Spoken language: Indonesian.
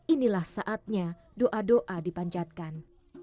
inilah saatnya doa doa dipanjatkan